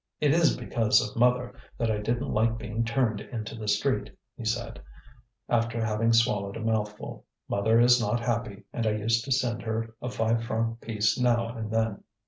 "It is because of mother that I didn't like being turned into the street," he said, after having swallowed a mouthful. "Mother is not happy, and I used to send her a five franc piece now and then."